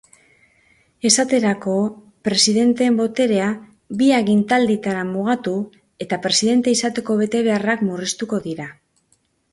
Esaterako, presidenteen boterea bi agintalditara mugatu eta presidente izateko betebeharrak murriztuko dira.